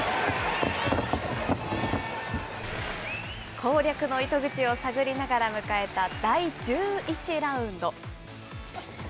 攻略の糸口を探りながら迎えた第１１ラウンド。